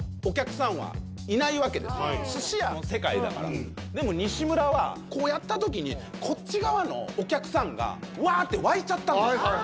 そしたらでも西村はこうやった時にこっち側のお客さんがわー！ってわいちゃったんですはい